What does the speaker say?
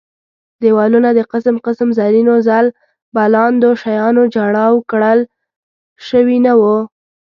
دېوالونه د قسم قسم زرینو ځل بلاندو شیانو جړاو کړل شوي نه وو.